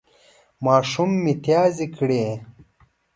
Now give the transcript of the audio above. ماشوم متیازې کړې